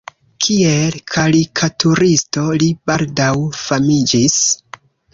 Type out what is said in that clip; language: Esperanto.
Kiel karikaturisto li baldaŭ famiĝis.